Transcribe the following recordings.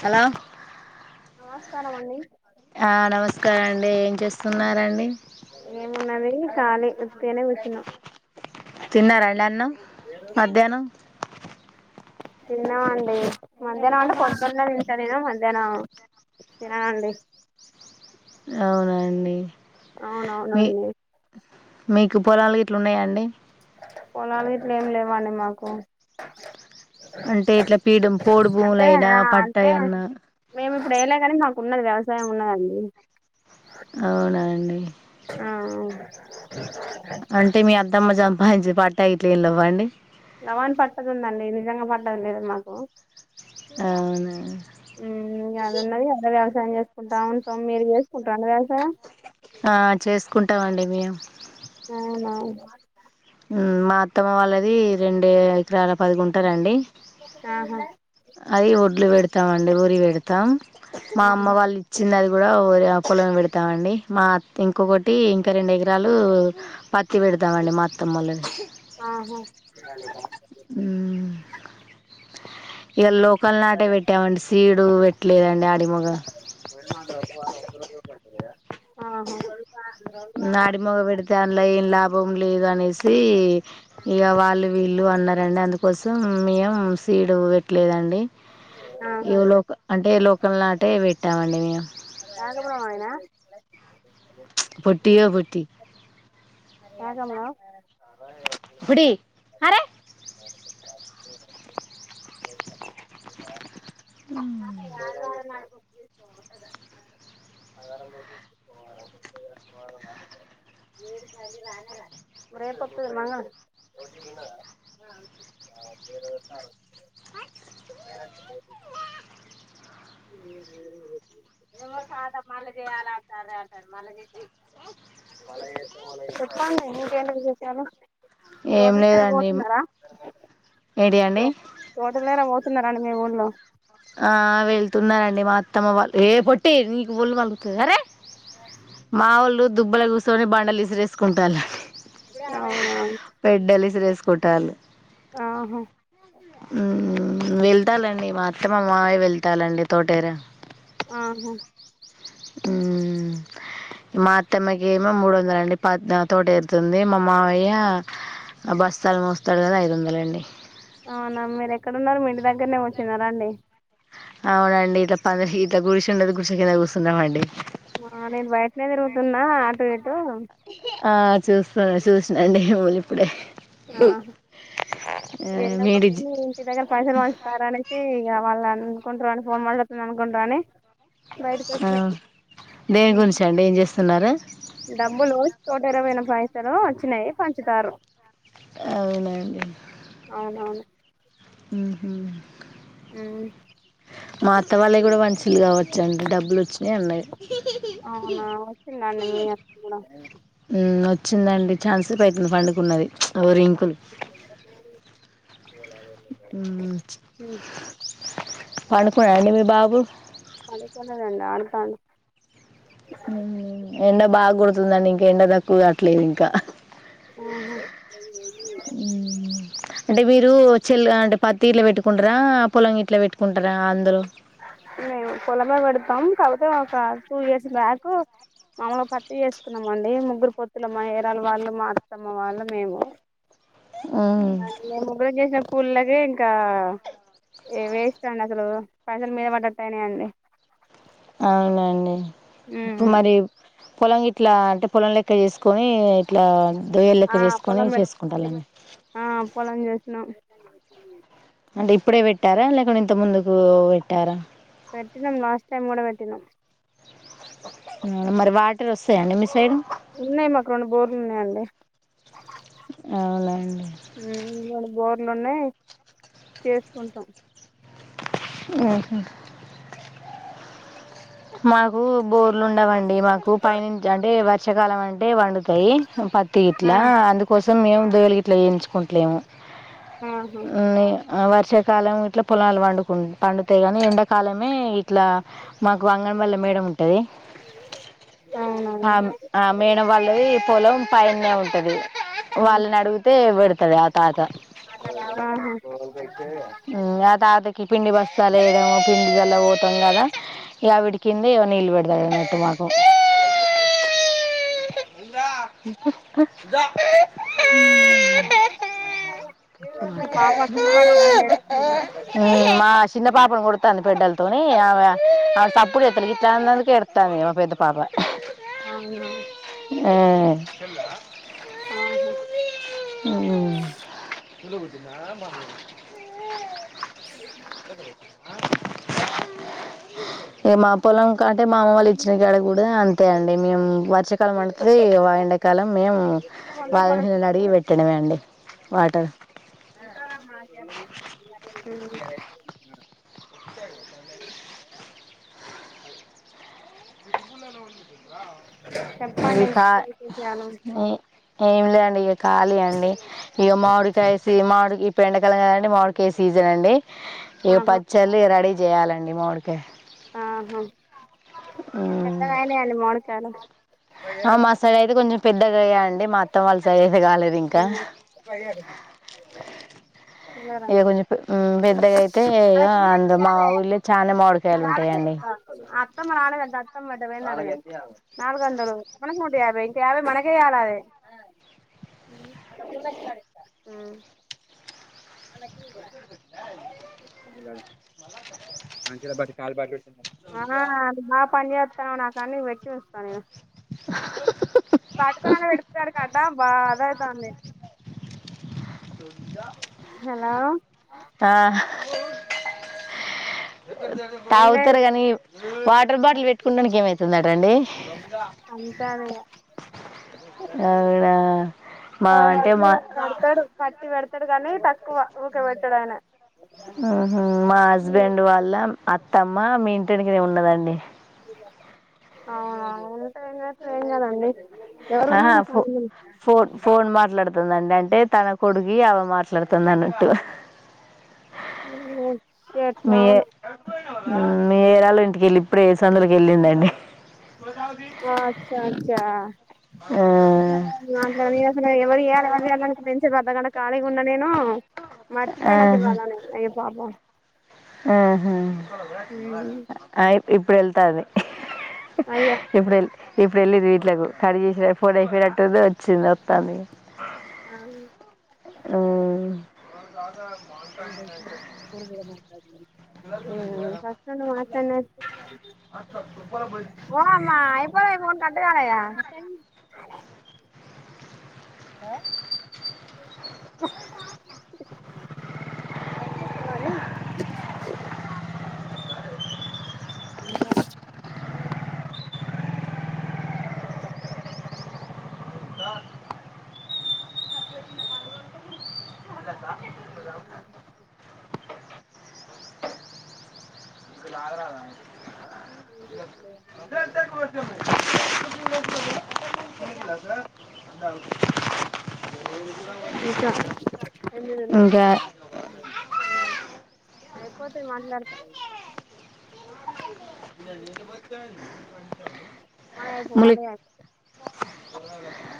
Hello నమస్కారం అండి ఆ నమస్కారం అండి చేస్తున్నారండి ఏమున్నది కాలి తిన్నారా అడి అన్నం మధ్యాహ్నం తిన్నామండి మధ్యాహ్న అండి కొంతగ తింటా నేను మధ్యాహ్న తిననండి అవునండి మీ అవునవునండి మీకు పొలాలు ఇట్లున్నాయాండి పొలాలు ఇట్ల ఏం లేవాండి మాకు అంటే ఇట్లా పీడ పోడు భూముల అంటే అయినా ఆ అంటే పట్టాయన్న మేము ఇప్పుడు ఎలాగానీ మాకు ఉన్నది వ్యవసాయం ఉన్నదండి అవునండి అవును అంటే మీ అద్దమ్మ మంచి పట్టా యిట్లేనివ్వండి వని పట్టదుందండి నిజంగా పట్టదు లేద మాకు అవును ఎలా ఉన్నది ఎలా వ్యవసాయం చేసుకుంటా ఉంటం మీరు చేసుకుంటారండి వ్యవసాయం ఆ చేసుకుంటాంండి వీ ఆ ఉం మా అత్తమ్మ వాళ్ళది రెండు ఎకరాల పది కుంటలు అండి ఆహా అది ఒడ్లు పెడతామ నూవుల్ వెడుతాం మా అమ్మ వాళ్ళు ఇచ్చిన [unintelligible] కులం పెడతామండి మా ఇంకొకటి ఒక రెండు ఎకరాలు పత్తి పెడదామండి మా అత్తమ్ముళ్ళు ఆహా ఇగ లోకల్ నాటే పెట్టామండి సీడు పెట్టలేదండి ఆడిమగ ఆహా నాడి మగ పెడితే అంలో ఏం లాభం లేదు అనేసి ఇక వాళ్ళు వీళ్ళు అన్నార్ ండి అందుకోసం మేము సీడ్ పెట్టలేదండి ఆహా ఏ ఆహా లోక అంటే లోకల్ నాట్ ఎ పే ట్టామండి మేము రాజాపురం ఆయనా పొట్టిగా పొట్టి ఏకమలం పొట్టి అరే ఒరే పతుంగ చెప్పండి ఇంకేంటి విశేషాలు ఏం తోటా చానా లేదండి పోతున్నారా ఏంటి అండి తోటా [unintelligible] చేస్తున్నారా అండి మీ ఊన్లో ఆ వెళ్తున్నారంండి మా అత్తమ్మ వాళ్ు ఏ పొట్టి నీకు ఒళ్ళు పాలుగుతుంది అరే మా వాళ్ళు దుబ్బల గుస్ సోని బండలు ఈసిరేస్ కుంటలు అవునా పెడలి ఇసిరేస్ సుకుంటాలు ఆహా ఉం వెళ్తానండి మా అత్తమ్మ మావయ్య వెళ్తాలండి తోటేర ఆహా ఉమ్ మా అత్తమ్మకి ఏమో మూడు వందల అండి పద్నా తోట ఎతుంది మా మావయ్య బస్తాలు మోస్తాడు కదా ఐదు వందల అండి అవునా మీరు ఎక్కడున్నారు మీంటి దగ్గరనే వచ్చన్నారాండి అవునండి ఇట్లా ప ఇట్లా గురిచ ఉండది గురిచ కింద కూర్స్తున్నాం అండి నేను బయటనే తిరుగుతున్నా అటు ఇటు ఆ చూస్తాను చూసినాండి మలు ఇప్పుడే ఆ ఆ మీరు ఎన్న ఇంటి దగ్గర పైసలు వంచుతారు అనేసి ఇగ వాళ్ళ అకకుంట్ర రాని ఫోన్ట్లత్ అకంట్రని ఆ దేని గురించ అండి ఏం చేస్తా తున్నారు డబ్బులు తూట తెరపైన పైసలు వచ్చినాయి పంచుతారు అవునండి అవునవును ఊహు ఉ మాత వాళ్ళే కూడా పంచిలు కావచ్చు అండి డబ్బులు వచ్చినాయి ఉనాయి అవునా నన్న మీ ఆతకుడ ఉ వచ్చిందండి చాలాసేపు అయితుంది పండుకు ఉన్నది ఎవరు ఇం పలు ఉ ఉమ్, పండుకునదండి మీ బాబు రాను కాను ఉ ఎండ బాగా కుడుతుందండి ఇంకా ఎండ తక్కువ కాట్లేదు ఇంకా ఆహా ఉ అంటే మీరు చెల్ అంటే పత్తిగిట్ల పెట్టుకుంటారు ఆ పొలం ఇట్లా పెట్టుకుంటారా అందరూ మేము పొలమే పెడతాం కాకపోతే ఒక టూ ఇయర్స్ బ్యాక్ మామలుగా పత్తి చేసుకున్నామ అండి ముగ్గురు పొత్తులు మా ఏరాలు వాళ్ళు మా అత్తమ్మ వాళ్ళు మేము ఉమ్ ముగగ కుల్ళకే ఇంకా ఏ వేస్తాండి అసలు పైసలు మీద పట్తాయనే అండి అవునండి పూ మారి పొలం గిట్లా అంటే పొలం లెక్క చేసుకొని ఇట్లా దొయ్యలు ఆ లెక్క చేసుకొని పొలం చేసుకుంటాలండి ఆ పొలం చేసినాం ఇప్పుడే పెట్టారా లేకు ఇంత ముందుకు పెట్టారా పెట్టినాం లాస్ట్ టైం కూడా పెట్టినాం మరి వాటర్ వస్తాయండి మీ సైడ్ ఉన్నాయి మాకు రెండు బోర్లు ఉన్నాయండి అవులేండి ఇ లోనే చేసుకుంటాం ఊహు మాకు బోర్లు ఉండవం మాకు పైనించి అంటే వార్ షకాలమంట ఇప్పుడే వండితి పప్పు ఆ గిట్లా అందుకోసం మేము పేరు గిట్లా పిలుచుకుంటిన ఆహా హలో అవర్ వర్షాకాలమే ఇట్లా పొలాలు పండుకు పండుతేగాన ఎండాకాలమే ఇట్లా వంగన్ [unintelligible] వల్ల మేడం ఉంటంది అవునవును ఆ ఆ మేడం వాళ్ళది పొలం పైనే ఉంటది ఆ, వాళ్ళని అడిగితే పెడతాడు ఆ తాత ఆహా మ్మ్ ఆ తాతకి పిండి బస్త లేదు పిండి ఇయ్యల [unintelligible] యా విడి కిందో నీళ్ళు పెడతాడు అన్నట్టు మాకు మీ పాప చిన్నవాడదా అండి ఏడుస్తుంది మా చిన్న పాపను కుడుతాంది పెద్దలతోని అమె సప్పుడి చేత్తాలే పొమ్మానందుకు ఎడత్తాంది మా పెద్దపాప అవునా అవును వినపల్లే ఆహా ఉమ్. అ ఇంట్లొకూర్చున అండ [inaudible] ఏ మా పొలం అంటే మా అమ్మ వాళ్ళు ఇచ్చిన గడ కూడా అంతే ఎండనే ఉంది వర్షకాలం ప అడిగి పెట్టడమే అండి వాటర్ [inaudible] చెప్పండి ఇంకా ఇంకేంటి విశేషాలు ఏం ఏమి లేదండి ఇక కాళీ అండి ఇక మామిడికాయసి మామిడికి ఈ పం ఏవండి మామిడికాయ సీజన్ అండి ఇగ ఆహా పచ్చల్లు రడి చేయాలండి మాడి ఆహా పెద్దగాయనయ అండి మామిడికాయలు ఆ మాసాలయకి కొం [unintelligible] చం పెద్ద పెద్దగా అయ్యాయఅండి మా అత్తవాళ్ళ సైడ్ అయితే కాలేదు ఇంకా తినరా ఇక కొంచెం పెద్దగా అయితే ఆ అందు మా ఊళ్ళో చాలా మామిడికాయలు ఉంటాయంండి మెత్తం మా నాన్న కడుతాడు మెత్తం కొట్టాలనే నాలుగు గంటలు మనకు నూట యాభై ఇంకా యాభై మన కే అలాగే వాళ్ళకిరా మైకులొ పాడితే కాలు బాగయితుంది కాల్ల ఆ అది బా [unintelligible] పని జేయతనవ నాకు అని పిలుస్త నేను ఎక్కడన్నా వెడుతుడ కటా బా అదైతాంది. హలో ఆ ఏం లేదు తాగుతారు కాని వాటర్ బాటిల్ పెట్టుకుండానికి ఏమైతుందటండి. అంతేనే ఆవిడ ఆ అ కడతాడు పట్టి వెడతా పెడతాడు కాని తక్కువ ఊకేబట్టాడు ఆయనే ఉహు మా హస్బెండ్ వాళ్ళ అత్తమ్మ మీ ఇంటెన్కనే ఉన్నదండి. అవునా టేన్ ట్రన్ కాదండి ఎవరున్నా ఆహా తుందండి అంటే తన కొడుకి ఆమె మాట్లాడుతుంది అన్నట్టు. ఉం చేత మీ అవును మీ యారాలు ఇంటికెళ్ళి ఇప్పుడు ఏ సందులకి ఎల్లిండండి. అచ చ ఆ మాట్లాడిన ఎవరు ఇయాల ఎవరు తీయాల అనుకుంటా ఇంతసేపు అర్థగంట సేపు ఖాళీగా ఉన్నా నేను మరిచిపోయయిన అసలు ఆహా వాళ్లను నేను ఐ బాబోయ్ ఆహా అయి ఇప్పుడు వెళ్తాది. అయ్యో ఇప్పుడు ఇప్పుడు వెళ్ళది వీట్లకు కడి చేసిన ఫోన్ అయిపోనట్టుది వచ్చింది అత్తంది. ఆ అ దాదా [unintelligible] ఆ స్పష్టంగా మాట్లాడిన స అంతా దుబ్బల బోరింది. ఫోన్ కట్ కలెగ హలో కట్ చేసావని అ ద కడకు వెలిపాడి వదు సార్ అంతా ఇంకా ఎనిమిది ఉన్నాయి ఇంకా అయిపోతే మాట్లాడతను మయిపోవు ములి వల్లయే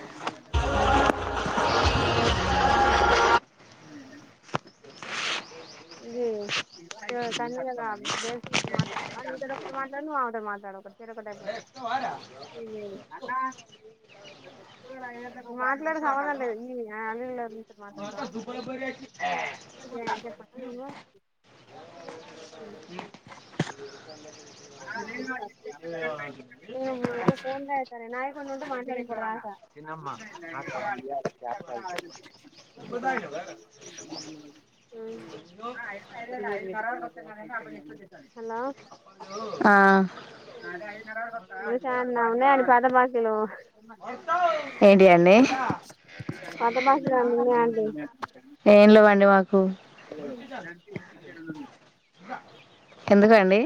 అయిపోతాయి ఇ కన్న బే మాట్డ మాట్లా నువ్ మాట్లాడకర ఒకైపో మాట్లాడవ లేదు ఈ అల్ మాట్లాడతావా చెప్ప హలో ఆ స ఉన్నా అని పత బాకీలు ఏంటి అండి పాత బాకీలు ఏమైనా ఉన్నాయా అండి ఏం లేవండి మాకు [unintelligible] ఎందుకండి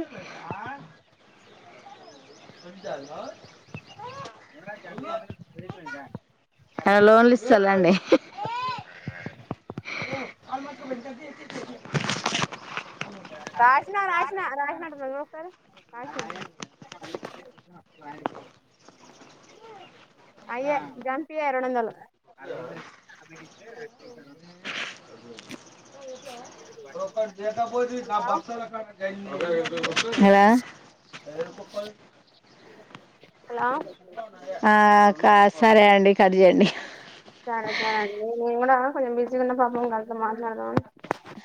[inaudible] ఆ లోన్లి ఇస్తాలాండి రాసిన-రాసిన రాసిన అంటే అట్ట చూస్తారు రాసిన అయ్యే జంపియ్యే రెండొందలు [inaudible] [unintelligible] [unintelligible] హలో హలో హలో ఆ కా సరే అండి కట్ చేయండి సరే సరే అండి నేను కూడా కొంచెం బిజీగా ఉన్న పాపం కలిసి మాట్లాడదాం